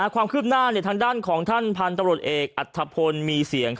ความคืบหน้าทางด้านของท่านพันธุ์ตำรวจเอกอัธพลมีเสียง